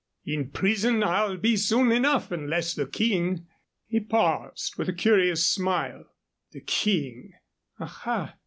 In prison I'll be, soon enough, unless the King " He paused, with a curious smile. "The King aha!